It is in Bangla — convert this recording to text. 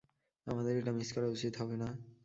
আমাদের এটা মিস করা উচিত হবে না!